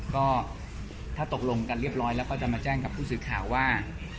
ก็ถ้าตกลงกันเรียบร้อยแล้วก็จะมาแจ้งกับผู้สื่อข่าวว่า